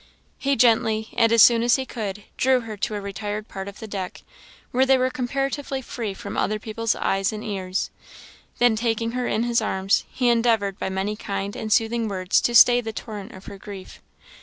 He gently, and as soon as he could, drew her to a retired part of the deck, where they were comparatively free from other people's eyes and ears; then, taking her in his arms he endeavoured by many kind and soothing words to stay the torrent of her grief.